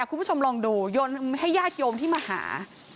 คุณผู้ชมลองดูโยนให้ญาติโยมที่มาหา